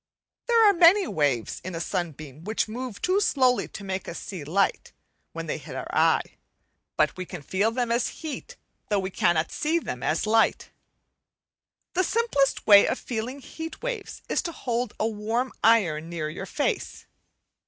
There are many waves in a sunbeam which move too slowly to make us see light when they hit our eye, but we can feel them as heat, though we cannot see them as light. The simplest way of feeling heat waves is to hold a warm iron near your face.